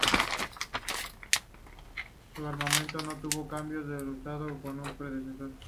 Su armamento no tuvo cambios del usado en su predecesor.